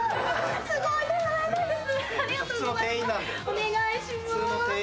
お願いします。